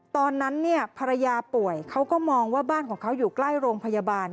ตอนนั้นภรรยาป่วยเขาก็มองว่าบ้านของเขาอยู่ใกล้โรงพยาบาล